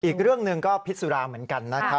อีกเรื่องหนึ่งก็พิษสุราเหมือนกันนะครับ